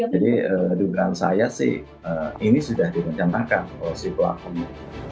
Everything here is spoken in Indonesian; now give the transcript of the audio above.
jadi dugaan saya sih ini sudah direncanakan kalau si pelakunya